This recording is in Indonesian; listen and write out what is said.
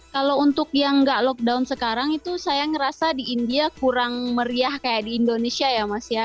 kalau untuk yang nggak lockdown sekarang itu saya ngerasa di india kurang meriah kayak di indonesia ya mas ya